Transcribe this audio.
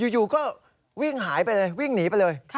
อยู่ก็วิ่งหายไปเลยวิ่งหนีไปเลย